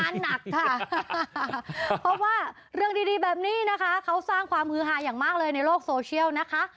หนักค่ะเพราะว่าเรื่องดีแบบนี้นะคะเขาสร้างความฮือหาอย่างมากเลยในโลกโซเชียลนะคะ